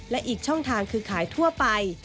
และอีกช่องทางคือขายทั่วไป